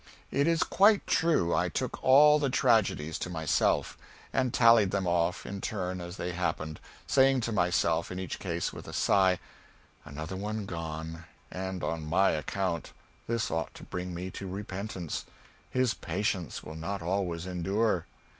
It is quite true I took all the tragedies to myself; and tallied them off, in turn as they happened, saying to myself in each case, with a sigh, "Another one gone and on my account; this ought to bring me to repentance; His patience will not always endure."